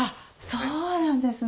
そうなんですね。